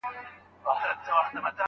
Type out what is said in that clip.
جهاني شپه مي تر پانوس پوري را ورسول